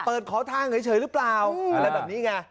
ขอทางเฉยหรือเปล่าอะไรแบบนี้ไง